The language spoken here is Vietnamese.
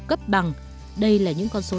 cấp bằng đây là những con số